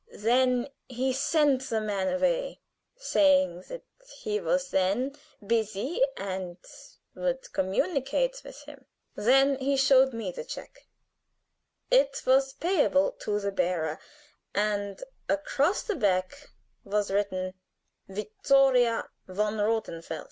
Then he sent the man away, saying that he was then busy and would communicate with him. Then he showed me the check. It was payable to the bearer, and across the back was written 'Vittoria von Rothenfels.'